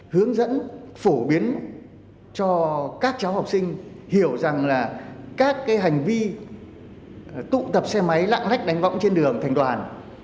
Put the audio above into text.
hướng dẫn phổ biến cho các cháu học sinh hiểu rằng là các hành vi tụ tập xe máy lạng lách đánh võng trên đường thành đoàn